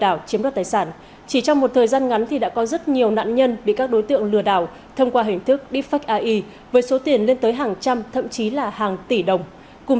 đây chỉ là hai trong số rất nhiều nạn nhân bị lừa đảo thông qua hình thức deepfake ai trong thời gian qua